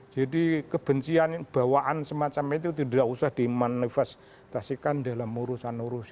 jadi kebencian bawaan semacam itu tidak usah dimanifestasikan dalam urusan urusan